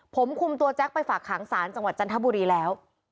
ผมคุมตัวแจ๊คไปฝากขังศาลจังหวัดจันทบุรีแล้ว